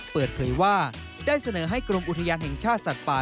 เปิดเผยว่าได้เสนอให้กรมอุทยานแห่งชาติสัตว์ป่า